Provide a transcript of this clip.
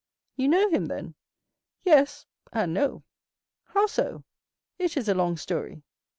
"You know him, then?" "Yes, and no." "How so?" "It is a long story."